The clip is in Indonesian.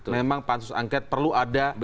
memang pansus angket perlu ada